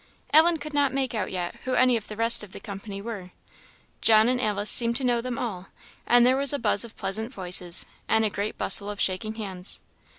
Ellen could not make out yet who any of the rest of the company were. John and Alice seemed to know them all, and there was a buzz of pleasant voices, and a great bustle of shaking hands.